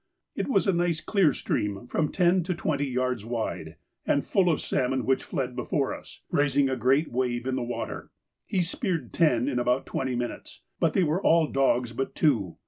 It was a nice clear stream from ten to twenty yards wide, and full of salmon which fled before us, raising a great wave in the water. He speared ten in about twenty minutes, but they were all dogs but two.